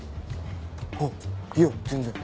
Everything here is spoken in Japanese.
あっいや全然。